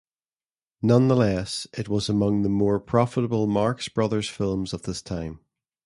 Nonetheless, it was among the more profitable Marx Brothers films of this time.